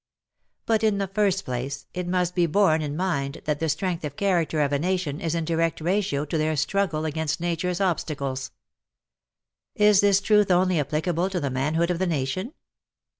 But in the first place, it must be borne in mind that the strength of character of a nation is in direct ratio to their struggle against nature's obstacles. Is this truth only applicable to the manhood of the nation?